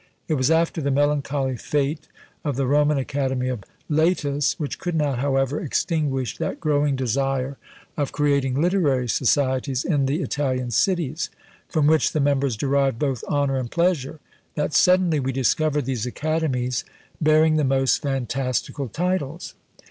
It was after the melancholy fate of the Roman academy of LÃḊtus, which could not, however, extinguish that growing desire of creating literary societies in the Italian cities, from which the members derived both honour and pleasure, that suddenly we discover these academies bearing the most fantastical titles.